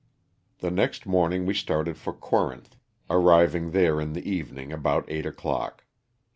The next morning we started for Corinth, arriving there in the evening about eight o'clock.